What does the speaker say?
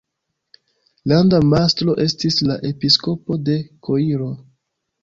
Landa mastro estis la episkopo de Koiro.